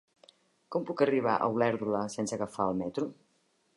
Com puc arribar a Olèrdola sense agafar el metro?